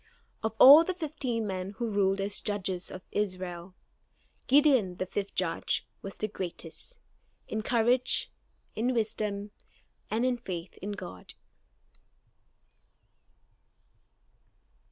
Of all the fifteen men who ruled as Judges of Israel, Gideon, the fifth Judge, was the greatest, in courage, in wisdom, and in faith in God.